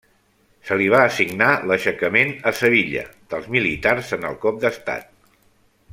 Se li va assignar l'aixecament a Sevilla dels militars en el cop d'estat.